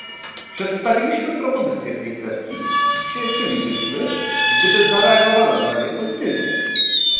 Przedstawiliśmy propozycje w tej kwestii i cieszylibyśmy, gdyby zareagowano na nie pozytywnie